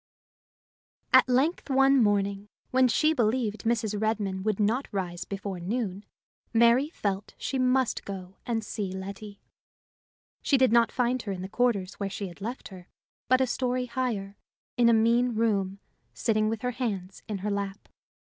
At length one morning, when she believed Mrs. Redmain would not rise before noon, Mary felt she must go and see Letty. She did not find her in the quarters where she had left her, but a story higher, in a mean room, sitting with her hands in her lap.